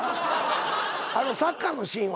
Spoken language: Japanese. あのサッカーのシーンは。